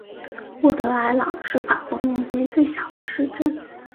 沃德尔朗是法国面积最小的市镇。